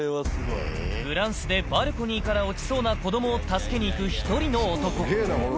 フランスでバルコニーから落ちそうな子どもを助けに行く１人の男。